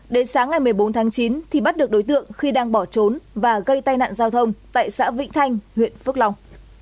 đến sáng ngày một mươi bốn tháng chín thì bắt được đối tượng khi đang bỏ trốn và gây tai nạn giao thông tại xã vĩnh thanh huyện phước long